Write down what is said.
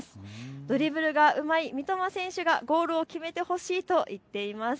ドリブルがうまい三苫選手がゴールを決めてほしいと言っています。